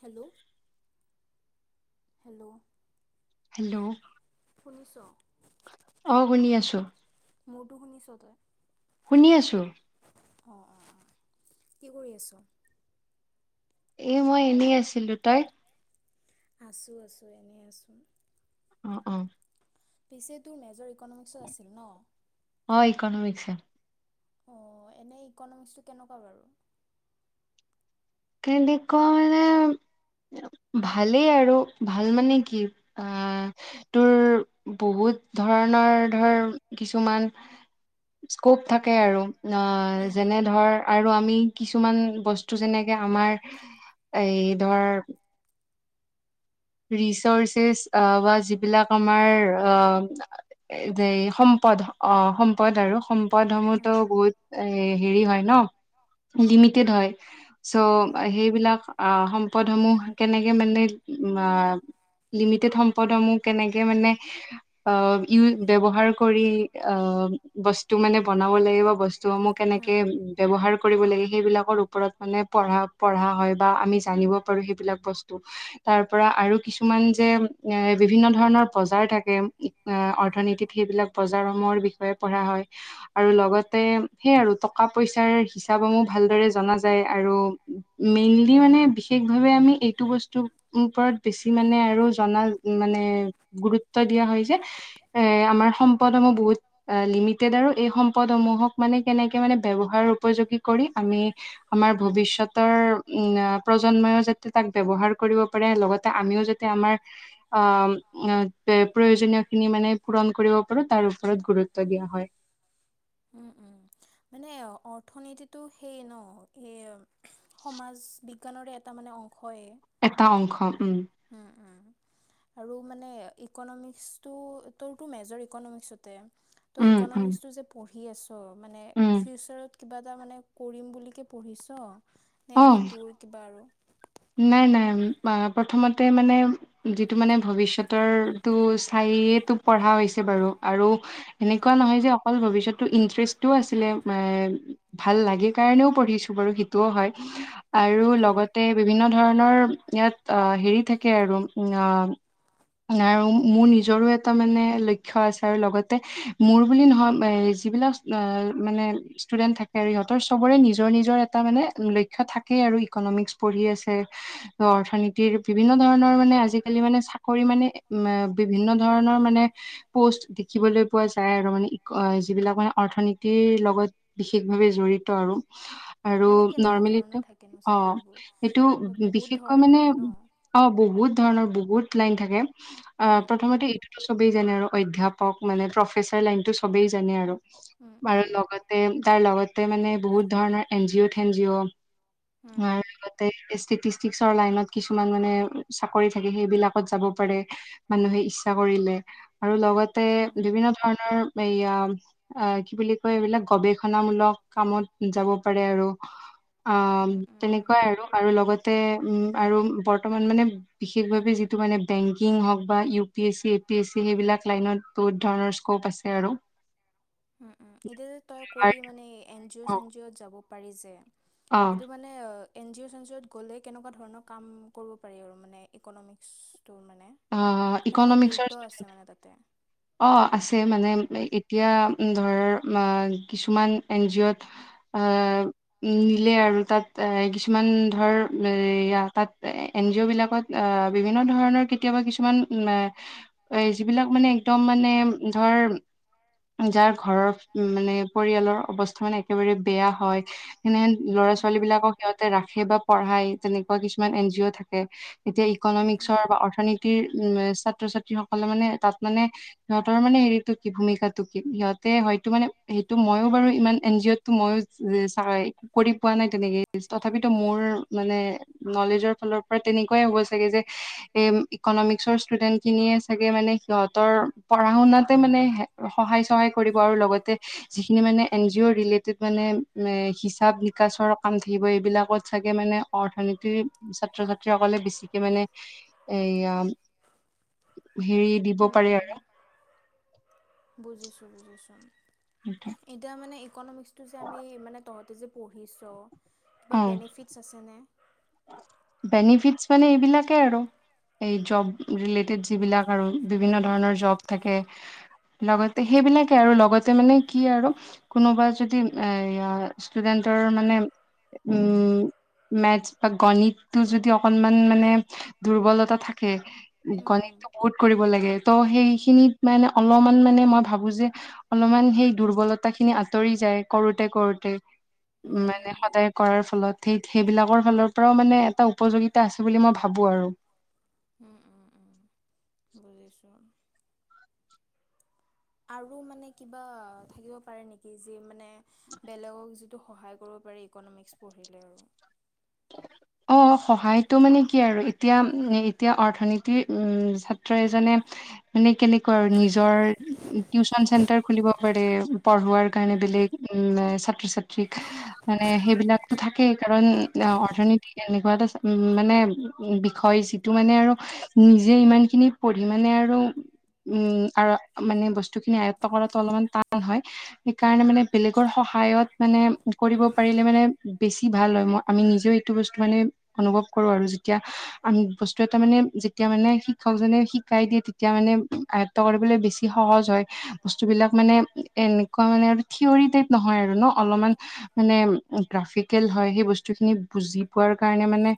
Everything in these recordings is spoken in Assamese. হেল্ল' হেল্ল' হেল্ল' শুনিছ অ শুনি আছো মোৰতো শুনিছ তই শুনি আছো অঁ অঁ অঁ কি কৰি আছ এ মই এনেই আছিলো তই আছোঁ আছোঁ এনেই আছোঁ অ অ পিছে তোৰ মেজৰ ইক'নমিক্সত আছিল ন? অ ইকনমিক্সত অ এনে ইকনমিক্সটো কেনেকুৱা বাৰু? কেনেকুৱা মানে ভালেই আৰু ভাল মানে কি আহ তোৰ বহুত হুত ধৰণৰ ধৰ কিছুমান স্কোপ থাকে আৰু অ যেনে ধৰ আৰু আমি কিছুমান বস্তু যেনে আমাৰ এই ধৰ ৰেচৰ্চেছ অ বা যিবিলাক আমাৰ অ সম্পদ অ সম্পদ আৰু আৰু সম্পদসমূহতো বহুত এ হেৰি হয় ন লিমিটেড হয় চ' সেইবিলাক সম্পদসমূহ কেনেকে মানে অ লিমিট তিক সম্পদসমূহ কেনেকে মানে অ উ ব্যৱহাৰ কৰি অ বস্তু মানে বনাব লাগে বা বস্তুসমূহ কেনেকৈ ব্যৱহাৰ কৰিব লাগে সেইবিলাকৰ ওপৰত মানে পঢা পঢ়া হয় বা আমি জানিব পাৰো সেইবিলাক বস্তু তাৰ পৰা আৰু কিছুমান যে এ বিভিন্ন ধৰণৰ বজাৰ থাকে অৰ্থনীতিত সেইবিলাক বজাৰসমূহৰ বিষয়ে পঢ়া হয় আৰু লগতে টকা পইছাৰ হিচাপসমূহ ভালদৰে জনা যায় আৰু মেইনলি মানে বিশেষ ভাৱে আমি এইটো বস্তু ওপৰত বেছি মানে আৰু জ মানে গুৰুত্ব দিয়া হয় যে এ আমাৰ সম্পদসমূহ বহুত তেদ এই সম্পদসমূহক মানে কেনেকে ব্যৱহাৰৰ উপযোগী কৰি আমি আমাৰ ভবিষ্যতৰ প্ৰজন্মইও যাতে তাক ব্যৱহাৰ কৰিব পাৰে লগতে আমিও যাতে আমাৰ, আ প্ৰয়োজনীয় খিনি মানে পূৰণ কৰিব পাৰো তাৰ ওপৰত গুৰুত গুৰুত্ব দিয়া হয়। উম উম মানে অৰ্থনীতিটো সেই ন এই সমাজ, বিজ্ঞানৰে এটা মানে অংশ। এটা অংশ, উম। আৰু মানে ইকনমিক্সটো তোৰতো মেজৰ ইকনমিক্সতে। ত' ইকনমিক্সটো যে পঢ়ি আছ মানে ফিউচাৰত কিবা এটা মানে কৰিম বুলিকে পঢ়িছ, নে এনে তোৰ কিবা আৰু নাই নাই, প্ৰথমতে মানে যিটো মানে ভবিষ্যতৰ চাই সেইতো পঢ়া হৈছে বাৰু আৰু, এনেকুৱা নহয় যে অকল ভৱিষ্যত ইন্টাৰেষ্টো আছিলে ভাল লাগে কাৰণেও পঢ়িছো বাৰু সেইটোও হয়। আৰু লগতে বিভিন্ন ধৰণৰ ইয়াত আহ হেৰি থাকে আৰু আ আৰু মোৰ নিজৰো এটা মানে লক্ষ্য আছে আৰু লগতে মোৰ বুলি নহয় যিবিলাক মানে ষ্টুডেন্ট থাকে আৰু ইহঁতৰ চবৰে নিজৰ নিজৰ এটা মানে লক্ষ্য থাকে। আৰু ইকনমিক্স পঢ়ি আছে। ত অৰ্থনীতিৰ বিভিন্ন ধৰণৰ মানে আজিকালি মানে চাকৰি মানে বিভিন্ন ধৰণৰ মানে পষ্ট দেখিবলৈ পোৱা যায় আৰু মানে যিবিলাক মানে অৰ্থনীতিৰ লগত বিশেষভাৱে জড়িত জঢ়িত আৰু আৰু নৰ্মেলি চাকৰিবোৰ সেইটো বিশেষকৈ মানে, আ বহুত ধৰণৰ বহুত লাইন থাকে। অ' প্ৰথমতে ইটোতো চবেই জানে আৰু অধ্যয়াপক মানে প্ৰফেচাৰ লাইনতটো চবেই জানে আৰু। বাৰ লগতে তাৰ লগতে মানে বহুত ধৰণৰ এন জি অ' থেন জি অ' উম। ষ্টেটিষ্টিকৰ লাইনত কিছুমান মানে চাকৰি থাকে, সেইবিলাকত যাব পাৰে, মানুহে ই্ছা কৰিলে, আৰু লগতে বিভিন্ন ধৰণৰ এয়া, কি বুলি কয় এইবিলাক গৱেষণামূলক কামত যাব পাৰে আৰু। আ তেনেকুৱাই আৰু। লগতে উম আৰু বৰ্তমান মানে, বিশেষভাৱে যিটো মানে বেংকিং হওক বা ইউ পি এছ এি এি সেইবিলাক লনত বহুত ধৰণৰ স্প আছে আৰু। উ এতিয়া তই কলি মানে এন জি চেনি যাব সেইটো মানে এন জি অ' চেনি'ত গ'লে কেনেকুৱা ধৰণৰ কাম কৰিব পাৰি আৰু মানে ইকনমিক্ আহ ইকনমিক্স অ' আছে মানে এতিয়া ধৰ কিছুমান এন জি অ'ত আহ, নিলে আৰু তাত এ কিছুমান ধৰ এ তাত বিলাকত বিভিন্ন ধৰণৰ কেতিয়াবা কিছুমান এ, যিবিলাক মানে একদম মানে ধৰ যাৰ ঘৰৰ মানে পৰিয়ালৰ অৱস্থা মানে একেবাৰে বেয়া হয়। সনে ল'ৰা ছোৱালী বিলাকক সিহতে ৰাখে বা পঢ়ায় তেনেকুৱা কিছুমান এন জি অ' থাকে। এতিয়া ইকনমিক্সৰ বা অৰ্থনীতি উ, ছাত্ৰ ছাত্ৰীসকলে মানে তাত মানে সিহঁতৰ মানে হেৰিটো কি ভূমিকাটো কি সিহঁতে হয়তটো মানে সেইটো মইো বাৰু ইমান এন জি অ' তো মইো কৰি পোৱা নাই তেনেকে। তথাপিতো মোৰ মানে নলেজৰ ফালৰ পৰা তেনেকুৱাই হ'ব চাগে যে ইকনমিকসৰ ষ্টুডেন্ট খিনিয়ে চাগে মানে সিহঁতৰ পঢ়া শুনাতে মানে সহায় চহায় কৰি কৰিব আৰু লগতে যিখিনি মানে এন জি অৰ ৰিলেতেত মানে হি হিচাপ বিকাশৰ কাম থাকিব এইবিলাকত চাগে মানে অৰ্থনীতিৰ ছাত্ৰ ছাত্ৰীসকলে বেছিকে মানে এয়া, হেৰি দিব পাৰে আৰু। বুজিছো বুজিছো। এতিয়া মানে ইকনমিক্সটো যে আমি মানে তহঁতে যে পঢ়িছ। কিবা বেনিফিটছ আছেনে? বেনিফিটছ মানে এইবিলাকে আৰু। এই জব ৰিলেটেড যিবিলাক আৰু বিভিন্ন ধৰণৰ জব থাকে লগতে সেইবিলাকে আৰু, লগতে মানে কি আৰু কোনোবা যদি এ, ষ্টুডেন্টৰ মানে উ, মেটছ বা গণিতটো যদি অকনমান মানে দুৰ্বলতা থাকে গণিতটো বহুত কৰিব লাগে। ত' সেইখিনিত মানে অলপমান মানে মই ভাবোঁ যে অলপমান সেই দুৰ্বলতাখিনি আঁতৰি যায়। কৰোঁতে কৰোঁতে, মানে সদায় কৰাৰ ফলত সেই-সেইবিলাকৰ ফালৰ পৰাও মানে এটা উপযোগিতা আছে বুলি মই ভাবোঁ আৰু। আৰু মানে কিবা থাকিব পাৰে নেকি যি মানে বেলেগক তো সহায় কৰিব পাৰি ইক'নমিক্স পঢ়িলে আৰু। অ' সহায়টো মানে কি আৰু এতিয়া, এতিয়া অৰ্থনীতি ছাত্ৰ এজনে মানে কেনেকুৱা আৰু, নিজৰ টিউচন চেন্টাৰ খুলিব পাৰে পঢ়োৱাৰ কাৰণে বেলেগ উ, ছাত্ৰ ছাত্ৰীক মানে সেইবিলাকো থাকেই কাৰণ অ' অৰ্থনীতিক এনেকুৱা এটা মানে বিষয় যিটো মানে আৰু নিজে ইমান খিনি পঢ়ি মানে আৰু উম, আৰু মানে বস্তুখিনি আয়ত্ব কৰাটো অলপমান টান হয়, সেইকাৰণে মানে বেলেগৰ সহা সায়ত মানে কৰিব পাৰিলে মানে বেছি ভাল হয় মই আমি নিজেও এইটো বস্তু মানে অনুভৱ কৰোঁ আৰু, যেতিয়া আমি বস্তু এটা মানে যেতিয়া মানে শি জনে শিকাই দিয়ে তেতিয়া মানে আয়ত ত্ত কৰিবলৈ বেছি সহজ হয়, বস্তুবিলাক মানে এনেকুৱা মানে আৰু থিয়ৰী টাইপ নহয় আৰু ন'। অলপমান মানে গ্ৰাফিকেল হয় হেই বছ বুজি পোৱাৰ কাৰণে মানে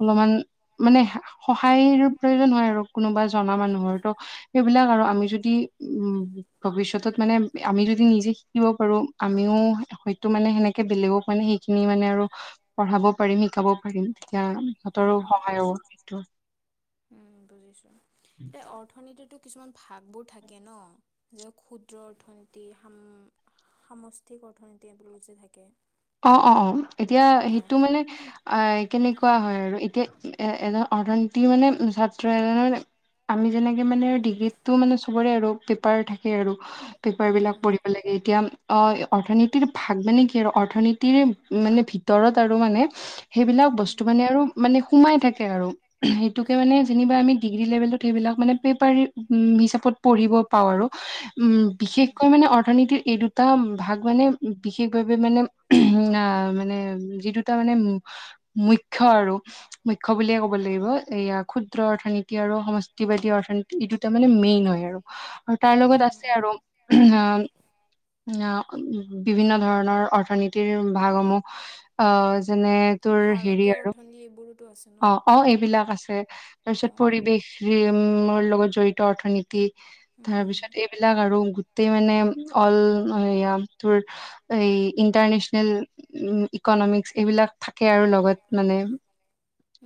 অলপমান মানে সহায়ৰ প্ৰয়োজন হয় আৰু, কোনোবা জনা মানুহৰতো সেইবিলাক আৰু আমি যদি উম, ভৱিষ্যতত মানে আমি যদি নিজে শিকিব পাৰোঁ, আমিও হয়তো মানে সেনে নেকে বেলেগক মানে সেইখিনি মানে আৰু পঢ়াব পাৰিম, শিকাব পাৰিম। তেতিয়া সিহঁতৰো সহায় হয় হেইটো। উম, বুজিছোঁ। এতিয়া অৰ্থনীতিটো কিছুমান ভাগবোৰ থাকে ন' যে ক্ষুদ্ৰ, অৰ্থনীতি, হাম সামষ্টিক অৰ্থনীতি এইবোৰো যে থাকে। অ', অ', অ' এতিয়া সেইটো মানে আ, কেনেকুৱা হয় আৰু এতিয়া এ, এজন অৰ্থনীতিৰ মানে ছাত্ৰ এজনৰে মানে আমি যেনেকে মানে ডিগ্ৰীতটো মানে চবৰে আৰু পেপাৰ থাকে আৰু। পেপাৰবিলাক পঢ়িব লাগে এতিয়া। অ' অৰ্থনীতিৰ ভাগ মানে কি আৰু অৰ্থনীতিৰ মানে ভিতৰত আৰু মানে সেইবিলাক বস্তু মানে আৰু মানে সোমাই থাকে আৰু। সেইটোকে মানে যেনিবা আমি ডিগ্ৰী লেবেলটোত সেইবিলাক মানে পেপাৰ হিচাপত পঢ়িব পাওঁ আৰু। উ, বিশেষকৈ মানে অৰ্থনীতিৰ এই দুটা ভাগ মানে বিশেষভাৱ বোৰ মানে উ, মানে যি দুটা মানে মুখ্য আৰু মুখ্য বুলিয়ে ক'ব লাগিব। ৰিবল এইয়া ক্ষুদ্ৰ অৰ্থনীতি আৰু সমষ্টিবাদী অৰ্থীতি এই দুটা মানে মেইন হয় আৰু। আৰু তাৰ লগত আছে আৰু। উ, বিভিন্ন ধৰণৰ অৰ্থনীতি তিৰ ভাগসমূহ আ, যেনে তোৰ হেৰি আৰু অ', অ' এইবিলাক আছে, তাৰপিছত পৰিৱেশ ৰি মোৰ লগত জড়িত অৰ্থনীতি। তাৰ পিছত এইবিলাক আৰু টি মানে অল হেয়া তোৰ এই ইন্টাৰনেচনেল উ, ইক ইক'নমিক্স এইবিলাক থাকে আৰু লগত মানে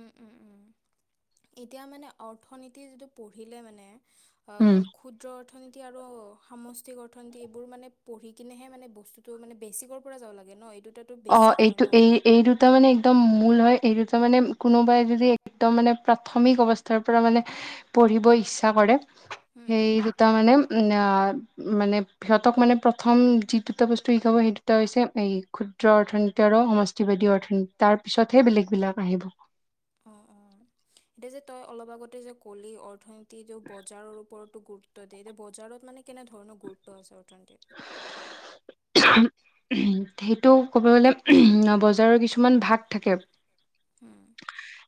উ, উ, উ। এতিয়া মানে অৰ্থনীতি যিটো পঢ়িলে মানে অ' ক্ষুদ্ৰত আৰু সমষ্টিক অৰ্ীতিবোৰ মানে পঢ়ি কিনেহে মানে বস্তু মানে বেিকৰ পৰা যাব লাগে ন। অ' এইটো এই এই দুটা মানে একদম মূল হয়। এইটো তাৰ মানে কোনোবাই যদি, একদম মানে প্ৰাথমিক অৱস্থাৰ পৰা মানে পঢ়িব ইচ্ছা কৰে। সেই দুটা মানে মানে সিহঁতক মানে প্ৰথম যি দুটা বস্তু শিকাব সেই দুটা হৈছে এই খু অৰ্থনীতি আৰু সমষ্টিবাদী অৰ্থনীতি তাৰ পিছত তে বেলেগ বিলাক আহিব। অলপ আগতে যে কলি অৰ্থনীতি যে বজাৰৰ ওপৰত গুৰুত্ব দিয়ে এতিয়া বজাৰত মানে কেনেধৰণৰ গুৰুত্ব আছে অৰ্থনীতিত। সেইটো ক'ব গলে বজাৰৰ কিছুমান ভাগ থাকে।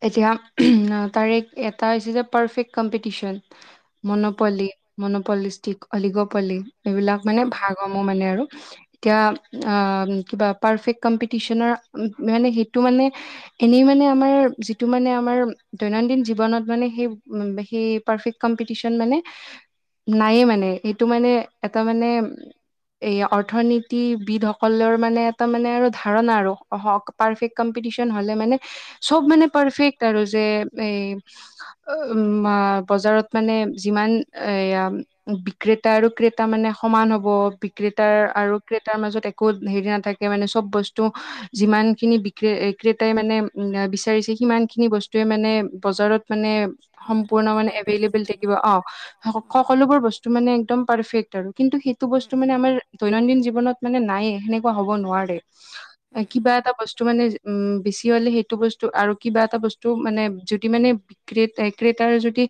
এতিয়া উ তাৰ এটা হৈছে এ perfect competition. Monopoly, monopolistic, oligopoly. এইবিলাক মানে ভাগমো মানে আৰু। এতিয়া আ কিবা পাৰে কম্পিটিশনৰ মানে সেইটো মানে এ মানে আমাৰ যিটো মানে আমাৰ দৈনন্দিন জীৱনত মানে সেই উ সেই পাৰফেক্ট কম্পিটিচন মানে, নায়ে মানে, এইটো মানে এটা মানে এই অৰ্থনীতিবিদ সকলৰ মানে এটা মানে আৰু ধাৰণা আৰু পাৰফেক্ট ক্প কম্পিটিচন হালে মানে, চব মানে পাৰফেক্ট আৰু যে এই, আ মানে যিমান এয়া বিক্ৰেতা আৰু ক্ৰেতা মানে সমান হ'ব বিক্ৰেতাৰ আৰু ক্ৰেতাৰ মাজত একো হেৰি নাথাকে মানে চব বস্তু যিমান খিনি বিক্ৰ ক্ৰেতাই মানে বিচ সিমান খিনি বস্তে মানে বজাৰত মানে, সম্পৰ্ণ আভেলেবেল থাকিব অ', সকলোবোৰ বও মানে একদম পাৰফেক্ট আৰু কিন্ত সেইটো বক্ত মানে আমাৰ দৈনন্দিন জীৱনত মান নায়েই সেনেকোৱা হব নোৱাৰে, কিবা এটা বত মানে বেছি হলে সটো বস্তু আৰু কিবা এ বস্তু মানে যদি মানে বি্ৰ ক্ৰেতাৰ যদি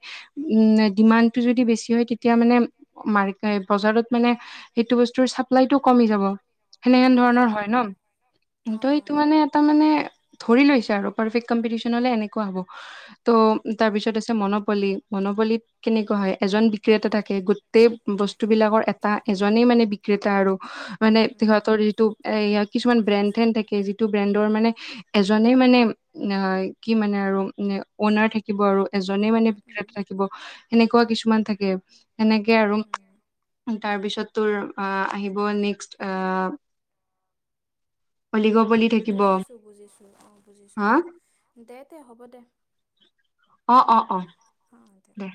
উ ডিমাডটো যদি বেছি হয় তেতিয়া মানে বজাৰত মানে সেইটো বস্তুৰ চাপ্লাইতটো কমি যাব। সেনেকেন ধৰণৰ হয় ন, ত এইটো মানে এটা মানে ধৰি লৈছে আৰু। কম্পিটিচন হলে এনেকোৱাই হব, ত তাৰপিছত আছে মনোপলি, মনোপলি, কেনেকোৱা হয় এজন বিক্ৰেতা থাকে, গোটেই বস্তু বিলাকৰ এটা এজনেই মানে বিক্ৰেতা আৰু। মানে সিহঁতৰ যিটো এ কিছুমান ব্ৰেণ্ড হেন থাকে, যিটো ব্ৰেণ্ডৰ মানে এজনেই মানে অ' কি মানে আৰু অনাৰ থাকিব আৰু এজনে মানে বিক্ৰেত থাকিব সেনেকুৱা। কিছুমান থাকে, সেনেকে আৰু তাৰপিছত তোৰ আহ আহিব নেক্স আহ বুজিছো বুজিছো, অ' বুজিছো দে দে দে হ'ব দে। অ' অ' অ' দে।